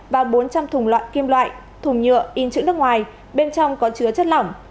và bốn trăm linh thùng loại kim loại thùng nhựa in chữ nước ngoài bên trong có chứa chất lỏng